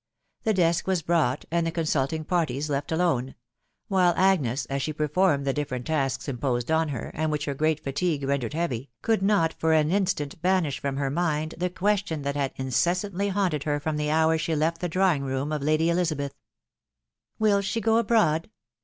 The desk was brought, and the consulting parties left alone ; while Agnes, as she performed the different tasks imposed on her, and which her great fatigue rendered heavy, could not for an instant banish from her mind the question that had incessantly haunted her from the hour she left the drawing room of Lady Elizabeth « Will she go abroad